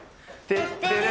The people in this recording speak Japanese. テッテレ！